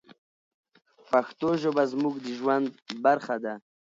پښتو ژبه زموږ د ژوند برخه ده.